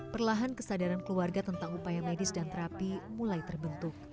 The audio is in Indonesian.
perlahan kesadaran keluarga tentang upaya medis dan terapi mulai terbentuk